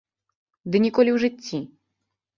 Ды ніколі ў жыцці!